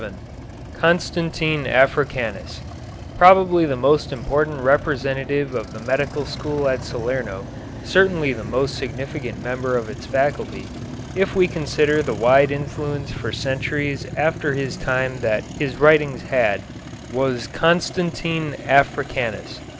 VII CONSTANTINE AFRICANUS Probably the most important representative of the medical school at Salerno, certainly the most significant member of its faculty, if we consider the wide influence for centuries after his time that his writings had, was Constantine Africanus.